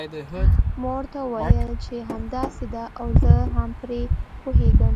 ما ورته وویل چې همداسې ده او زه هم پرې پوهیږم.